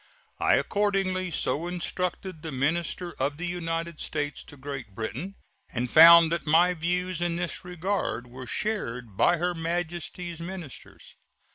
I accordingly so instructed the minister of the United States to Great Britain, and found that my views in this regard were shared by Her Majesty's ministers.